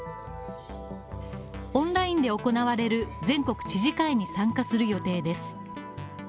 オンラインで行われる全国知事会に参加する予定です。